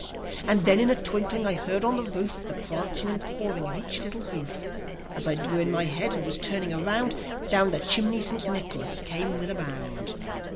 nd then, in a twinkling, I heard on the roof The prancing and pawing of each little hoof. As I drew in my head, and was turning around, Down the chimney St. Nicholas came with a bound.